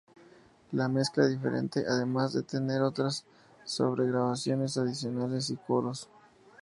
La mezcla es diferente, además de tener otras sobregrabaciones adicionales y coros.